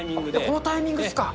このタイミングっすか。